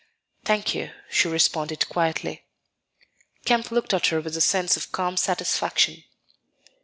"Thank you," she responded quietly. Kemp looked at her with a sense of calm satisfaction.